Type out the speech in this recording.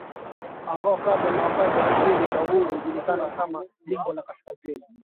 ambao kabla na wakati wa kipindi cha Uhuru ulijulikana kama Jimbo la Kaskazini